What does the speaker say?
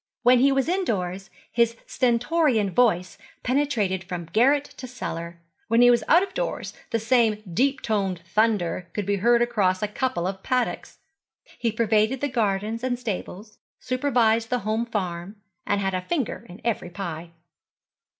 When he was indoors his stentorian voice penetrated from garret to cellar; when he was out of doors the same deep toned thunder could be heard across a couple of paddocks. He pervaded the gardens and stables, supervised the home farm, and had a finger in every pie.